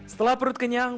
setelah perut kenyang